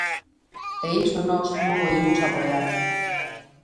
E iso nós non o imos apoiar.